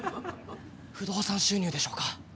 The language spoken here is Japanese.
不動産収入でしょうか？